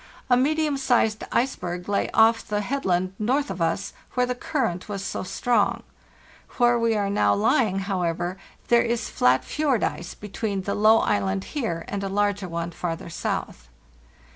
A medium sized iceberg lay off the headland north of us, where the current was so strong, Where we are now lying, however, there is flat fjord ice between the low island here and a larger one farther south.